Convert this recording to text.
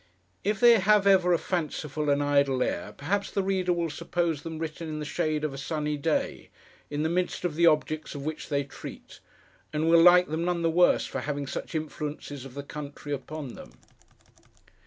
If they have ever a fanciful and idle air, perhaps the reader will suppose them written in the shade of a Sunny Day, in the midst of the objects of which they treat, and will like them none the worse for having such influences of the country upon them.